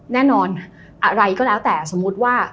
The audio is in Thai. แน่นอนอะไรก็แล้วแต่สมมุติว่า